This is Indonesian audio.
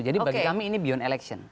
jadi bagi kami ini beyond election